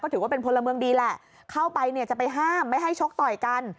ถือว่าเป็นพลเมืองดีแหละเข้าไปเนี่ยจะไปห้ามไม่ให้ชกต่อยกัน